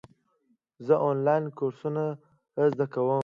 زه آنلاین کورسونه زده کوم.